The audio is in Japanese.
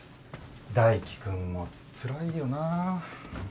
大輝君もつらいよな。